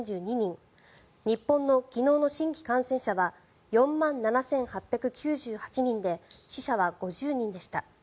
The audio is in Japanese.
日本の昨日の新規感染者は４万７８９８人で死者は５０人でした。